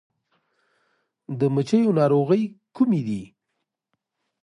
د مچیو ناروغۍ کومې دي؟